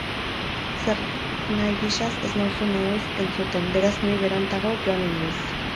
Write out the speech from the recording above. Zernahi gisaz ez nauzu nehoiz entzuten, beraz ni berantago joanen naiz.